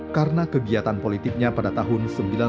karena kegiatan politiknya pada tahun seribu sembilan ratus tiga puluh